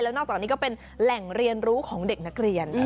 นอกจากนี้ก็เป็นแหล่งเรียนรู้ของเด็กนักเรียน